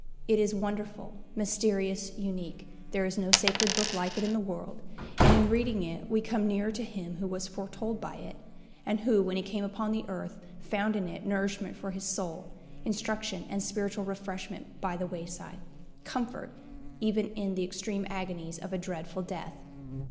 It is wonderful, mysterious, unique there is no sacred book like it in the world; and in reading it we come nearer to Him who was foretold by it, and who when he came upon the earth found in it nourishment for his soul, instruction and spiritual refreshment by the wayside, comfort even in the extreme agonies of a dreadful death.